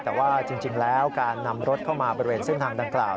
แต่ว่าจริงแล้วการนำรถเข้ามาบริเวณเส้นทางดังกล่าว